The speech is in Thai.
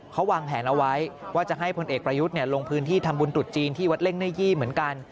เขาวางแผนเอาไว้ว่าจะให้พลเอกประยุทธ์ลงพื้นที่ทำบุญตรุษจีนที่วัดเล่งหน้ายี่เหมือนกัน